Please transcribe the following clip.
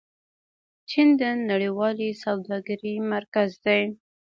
چین د نړیوالې سوداګرۍ مرکز دی.